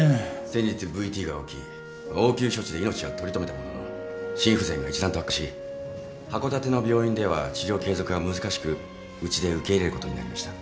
先日ＶＴが起き応急処置で命は取り留めたものの心不全が一段と悪化し函館の病院では治療継続が難しくうちで受け入れることになりました。